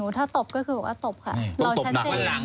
เพราะว่าเราใส่แหวนใส่แหน่ง